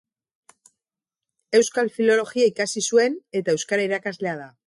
Euskal Filologia ikasi zuen eta euskara irakaslea da.